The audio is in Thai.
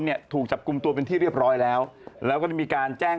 เนี่ยถูกจับกลุ่มตัวเป็นที่เรียบร้อยแล้วแล้วก็ได้มีการแจ้ง